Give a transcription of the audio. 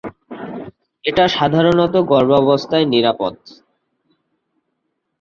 এটা সাধারণত গর্ভাবস্থায় নিরাপদ।